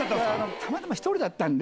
たまたま１人だったんで。